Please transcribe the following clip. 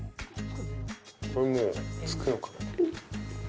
これ、もうつくのか。